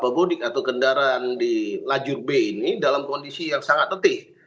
pemudik atau kendaraan di lajur b ini dalam kondisi yang sangat tetih